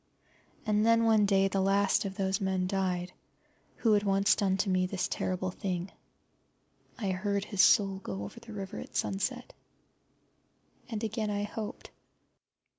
And then one day the last of those men died who once had done to me this terrible thing. I heard his soul go over the river at sunset. And again I hoped.